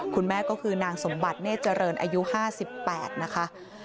คุณแม่ก็คือนางสมบัติเนธเจริญอายุ๕๘นะคะ